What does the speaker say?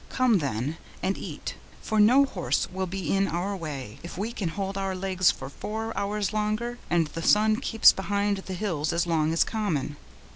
Come, then, and eat, for no horse will be in our way, if we can hold our legs for four hours longer, and the sun keeps behind the hills as long as common."